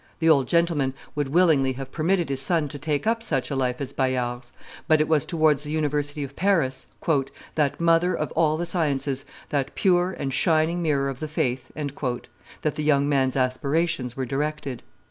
The old gentleman would willingly have permitted his son to take up such a life as Bayard's; but it was towards the University of Paris, "that mother of all the sciences, that pure and shining mirror of the faith," that the young man's aspirations were directed.